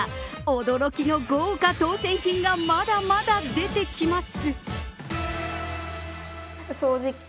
驚きの豪華当選品がまだまだ出てきます。